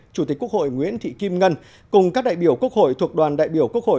chủ tịch quốc hội nguyễn thị kim ngân cùng các đại biểu quốc hội thuộc đoàn đại biểu quốc hội